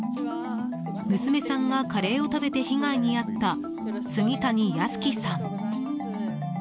娘さんがカレーを食べて被害に遭った杉谷安生さん。